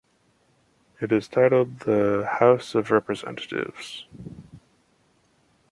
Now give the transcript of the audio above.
It is titled The House of Representatives.